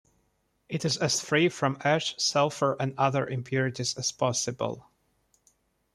It is as free from ash, sulfur, and other impurities as possible.